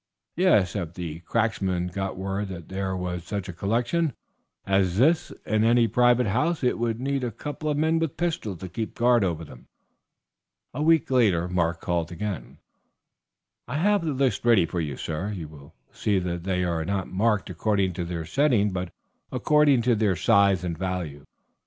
"Yes, if the cracksmen got word that there was such a collection as this in any private house it would need a couple of men with pistols to keep guard over them." A week later Mark again called. "I have the list ready for you, sir; you will see that they are not marked according to their setting, but according to their size and value.